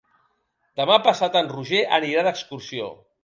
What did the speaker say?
Demà passat en Roger anirà d'excursió.